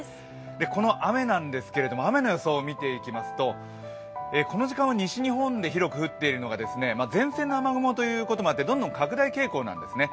この雨なんですけれども、雨の予想を見ていきますと、この時間は西日本で広く降っているのが前線の雨雲ということもあって、どんどん拡大傾向なんですね。